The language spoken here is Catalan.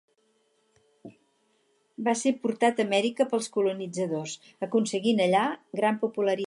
Va ser portat a Amèrica pels colonitzadors, aconseguint allà gran popularitat.